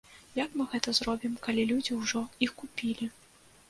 Як мы гэта зробім, калі людзі ўжо іх купілі?